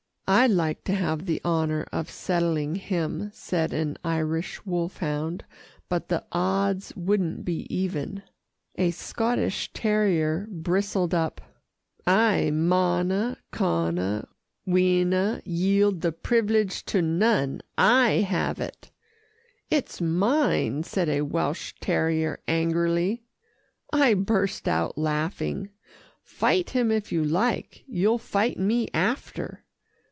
"I'd like to have the honour of settling him," said an Irish wolfhound, "but the odds wouldn't be even." A Scotch terrier bristled up, "I maunna, canna, winna yield the privilege to none. I hae it." "It's mine," said a Welsh terrier angrily. I burst out laughing. "Fight him if you like. You'll fight me after."